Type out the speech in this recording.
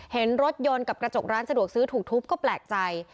เห็นรถยนต์กับกระจกร้านสะดวกซื้อถูกทุบก็แปลกใจ